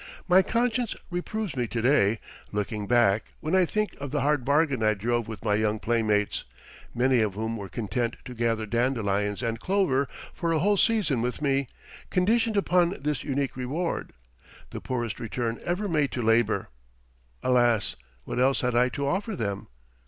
My conscience reproves me to day, looking back, when I think of the hard bargain I drove with my young playmates, many of whom were content to gather dandelions and clover for a whole season with me, conditioned upon this unique reward the poorest return ever made to labor. Alas! what else had I to offer them!